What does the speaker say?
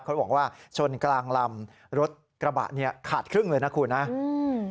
คนหวังว่าชนกลางลำรถกระบะขาดครึ่งเลยนะครับ